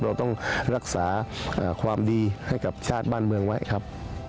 เราต้องรักษาความดีให้กับชาติบ้านเมืองไว้ครับ